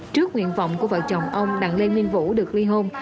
trước nguyện vọng của vợ chồng ông đặng lê minh vũ được ly hôn